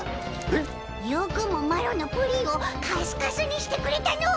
よくもマロのプリンをカスカスにしてくれたの。